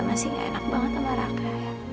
masih gak enak banget sama raka